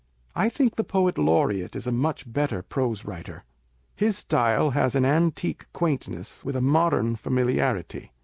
I think the poet laureate1 is a much better prose writer. His style has an antique quaintness, with a modern familiarity.